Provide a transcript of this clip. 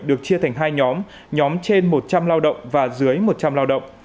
được chia thành hai nhóm nhóm trên một trăm linh lao động và dưới một trăm linh lao động